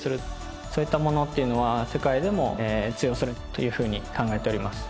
そういったものっていうのは世界でも通用するというふうに考えております。